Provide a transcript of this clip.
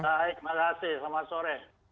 baik terima kasih selamat sore